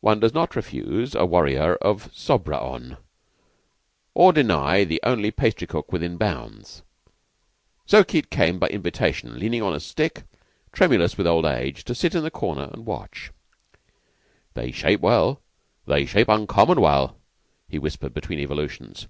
One does not refuse a warrior of Sobraon, or deny the only pastry cook within bounds. So Keyte came, by invitation, leaning upon a stick, tremulous with old age, to sit in a corner and watch. "They shape well. They shape uncommon well," he whispered between evolutions.